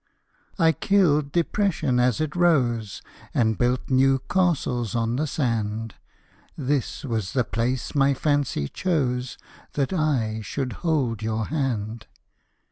I killed depression as it rose, And built new castles on the sand; This was the place my fancy chose That I should hold your hand.